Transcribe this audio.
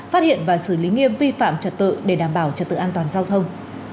phát hiện và xử lý nghiêm vi phạm trật tự để đảm bảo trật tự an toàn giao thông